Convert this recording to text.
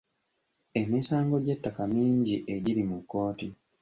Emisango gy'ettaka mingi egiri mu kkooti.